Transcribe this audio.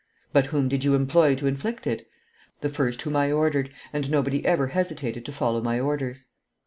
'But whom did you employ to inflict it?' 'The first whom I ordered, and nobody ever hesitated to follow my orders.